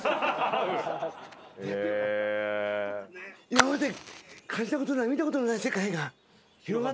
今まで感じたことない見たこともない世界が広がってる抹茶の。